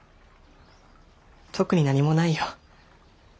特に何もないよ。